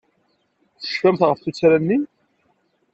Tecfamt ɣef tuttra-nni?